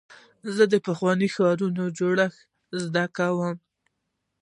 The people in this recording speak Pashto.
زه د پخوانیو ښارونو جوړښت زده کوم.